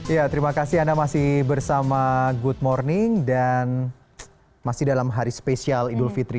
ya terima kasih anda masih bersama good morning dan masih dalam hari spesial idul fitri